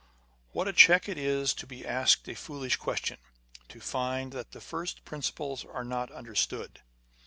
What a check it is to be asked a foolish question ; to find that the first principles are not under stood